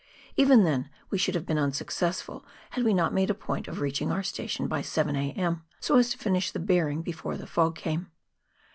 Even then we should have been unsuccessful had we not made a point of reaching our station by 7 a.m., so as to finish the bearing before the fog came.